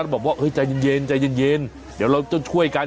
ก็บอกว่าเฮ้ยใจเย็นเย็นใจเย็นเย็นเดี๋ยวเราจะช่วยกัน